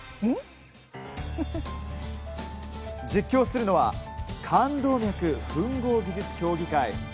実況するのは「冠動脈吻合技術競技会」。